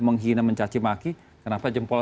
menghina mencaci maki kenapa jempol